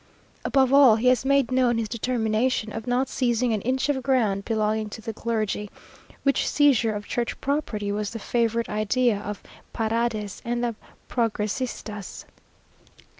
Above all, he has made known his determination of not seizing an inch of ground belonging to the clergy; which seizure of church property was the favourite idea of Paredes and the progresistas.